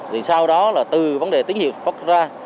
thì sau đó là từ vấn đề tín hiệu phát ra